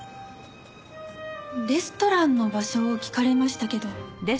レストランの場所を聞かれましたけど。